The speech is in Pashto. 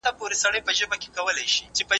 هغه څوک چي مرسته غواړي، بايد مرسته ترلاسه کړي.